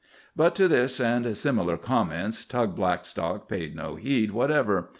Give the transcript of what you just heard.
But to this and similar comments Tug Blackstock paid no heed whatever.